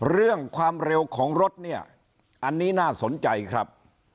เรื่องความเร็วของรถเนี่ยอันนี้น่าสนใจครับ